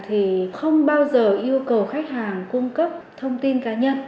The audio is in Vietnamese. thì không bao giờ yêu cầu khách hàng cung cấp thông tin cá nhân